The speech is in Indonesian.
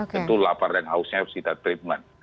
tentu lapar dan hausnya harus kita treatment